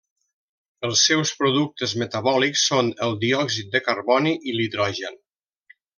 Els seus productes metabòlics són el diòxid de carboni i l'hidrogen.